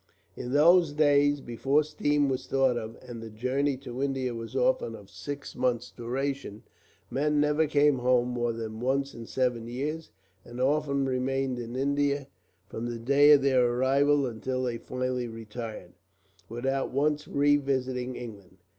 In those days, before steam was thought of, and the journey to India was often of six months' duration, men never came home more than once in seven years, and often remained in India from the day of their arrival until they finally retired, without once revisiting England.